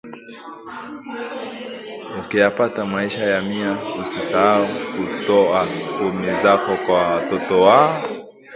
ukiyapata maisha ya mia usisahu kutoa kumi zako kwa watoto wa